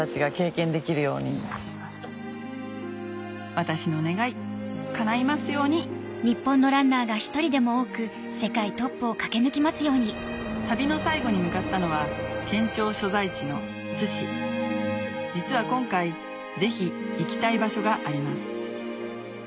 私の願いかないますように旅の最後に向かったのは県庁所在地の津市実は今回ぜひ行きたい場所があります